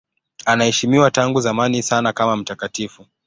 Anaheshimiwa tangu zamani sana kama mtakatifu.